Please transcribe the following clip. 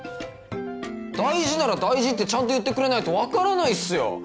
大事なら大事ってちゃんと言ってくれないと分からないっすよ！